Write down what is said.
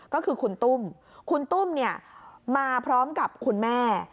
ก็คือคุณตุ้มคุณตุ้มเนี่ยมาพร้อมกับคุณแม่